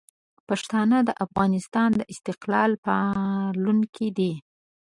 پښتانه د افغانستان د استقلال پالونکي دي.